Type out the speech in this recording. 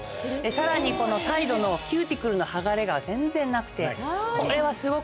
さらにこのサイドのキューティクルの剥がれが全然なくてこれはすごくいい状態と。